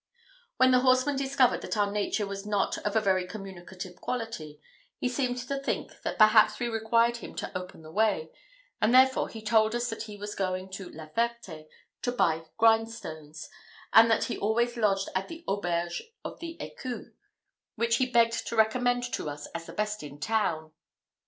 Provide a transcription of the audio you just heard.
When the horseman discovered that our nature was not of a very communicative quality, he seemed to think that perhaps we required him to open the way, and therefore he told us that he was going to La Ferté to buy grind stones, and that he always lodged at the auberge of the Ecu, which he begged to recommend to us as the best in the town.